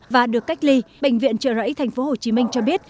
và được cách ly bệnh viện trợ rẫy tp hcm cho biết